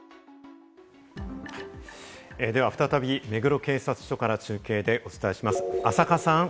では再び目黒警察署から中継でお伝えします、浅賀さん。